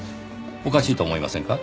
おかしいと思いませんか？